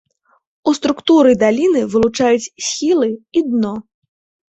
У структуры даліны вылучаюць схілы і дно.